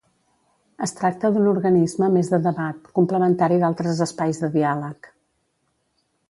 Es tracta d'un organisme més de debat, complementari d'altres espais de diàleg.